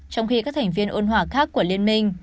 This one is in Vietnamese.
một số thành viên ôn hòa khác của liên minh